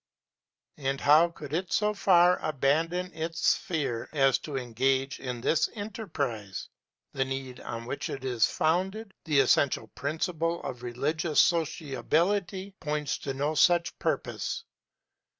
And how could it so far abandon its sphere as to engage in this enterprise? The need on which it is founded, the essential principle of religious sociability, points to no such purpose.